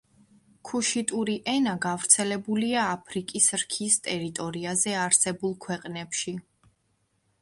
ქუშიტური ენა გავრცელებულია აფრიკის რქის ტერიტორიაზე არსებულ ქვეყნებში.